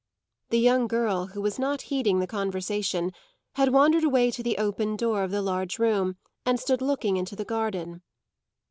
The young girl, who was not heeding the conversation, had wandered away to the open door of the large room and stood looking into the garden.